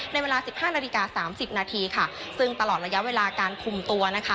เวลาสิบห้านาฬิกาสามสิบนาทีค่ะซึ่งตลอดระยะเวลาการคุมตัวนะคะ